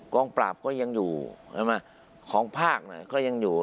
กรองปราบก็ยังอยู่ของภาคก็ยังอยู่